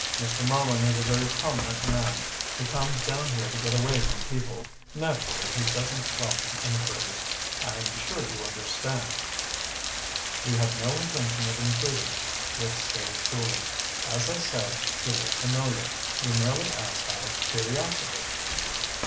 "Mr. Merlin is a very prominent man. He comes down here to get away from people. Naturally, he doesn't welcome inquiries. I'm sure you understand." "We have no intention of intruding," Rick stated coolly. "As I said, he looked familiar. We merely asked out of curiosity."